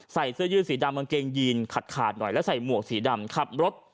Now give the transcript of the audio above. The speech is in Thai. ใส่เสื้อยืดสีดำกางเกงยีนขาดขาดหน่อยแล้วใส่หมวกสีดำขับรถ